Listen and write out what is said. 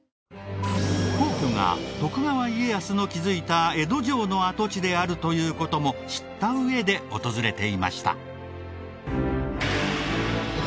皇居が徳川家康の築いた江戸城の跡地であるという事も知った上で訪れていました。